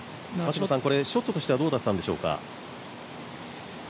ショットとしてはどうだったんでしょうか？